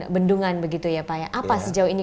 bendungan begitu ya pak ya apa sejauh ini